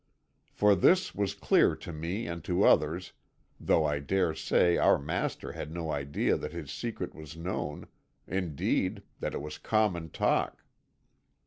For this was clear to me and to others, though I dare say our master had no idea that his secret was known indeed, that it was common talk.